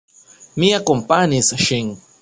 Mi akompanis ŝin.